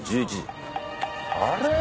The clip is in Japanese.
あれ？